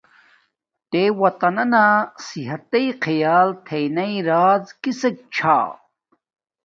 تے وطانانا صحتݷ خیال کون تھینا راز کسک چھا۔